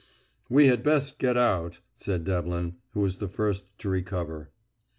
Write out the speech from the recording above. "We had best get out," said Devlin, who was the first to recover.